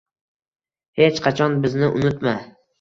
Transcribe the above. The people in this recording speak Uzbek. Hech qachon bizni unutma